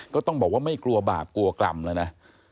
ก็ต้องบอกว่าไม่กลัวบาปกลัวกรรมแล้วนะ